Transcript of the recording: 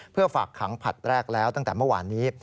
เพื่อฝากขังผลัดแรกแล้วตั้งแต่เมื่อวานนี้